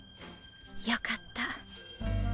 よかった。